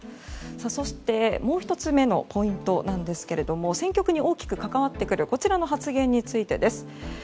そしてもう１つ目のポイントなんですが戦局に大きく関わってくるこちらの発言についてです。